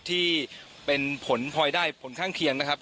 ที่เป็นผลพลอยได้ผลข้างเคียงนะครับ